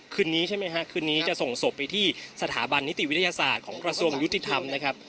คืนนี้ใช่ไหมฮะคืนนี้จะส่งศพไปที่สถาบันนิติวิทยาศาสตร์ของกระทรวงยุติธรรมนะครับ